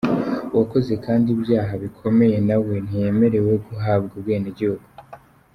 Uwakoze kandi ibyaha bikomeye na we ntiyemerewe guhabwa ubwenegihugu.